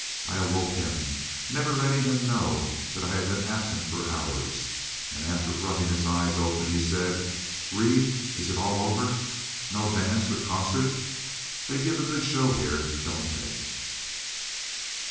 I awoke him, never letting him know that I had been absent for hours, and after rubbing his eyes open, he said: "Reed, is it all over? No dance or concert? They give a good show here, don't they?"